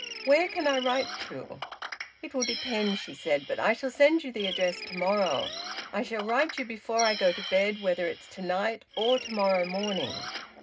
"Where can I write to?" "It will depend," she said. "But I shall send you the address to morrow. I shall write you before I go to bed whether it's to night or to morrow morning."